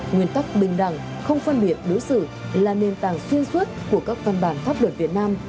nguyên tắc bình đẳng không phân biệt đối xử là nền tảng xuyên suốt của các văn bản pháp luật việt nam